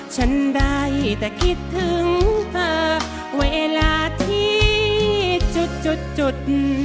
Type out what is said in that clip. ฉันได้แต่คิดถึงเธอเวลาที่จุด